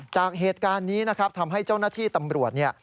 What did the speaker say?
จากเหตุการณ์นี้นะครับทำให้เจ้าหน้าที่ตำรวจเนี่ย